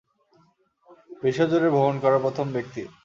বিশ্বজুড়ে ভ্রমণ করা প্রথম ব্যক্তি।